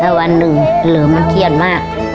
ถ้าวันหนึ่งเหลิมมันเครียดมาก